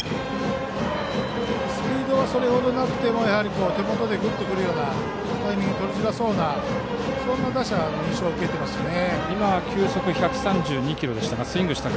スピードはそれ程なくても手元でグッと来るようなタイミングがとりづらそうな印象を打者は受けるでしょうね。